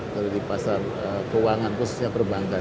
kalau di pasar keuangan khususnya perbankan